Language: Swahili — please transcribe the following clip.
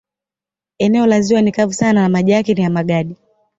Eneo la ziwa ni kavu sana na maji yake ni ya magadi.